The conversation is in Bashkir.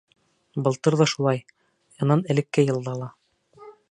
Былтыр ҙа шулай, унан элекке йылда ла.